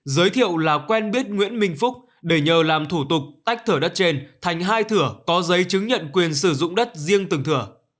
giới thiệu là quen biết nguyễn minh phúc để nhờ làm thủ tục tách thửa đất trên thành hai thửa có giấy chứng nhận quyền sử dụng đất riêng từng thừa